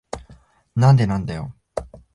なんでなんだよ。